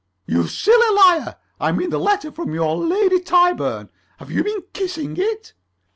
"You silly liar; I mean the letter from your Lady Tyburn. Have you been kissing it?"